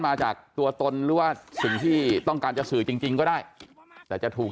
มาจากตัวตนหรือว่าสิ่งที่ต้องการจะสื่อจริงก็ได้แต่จะถูก